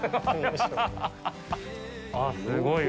あぁ、すごい！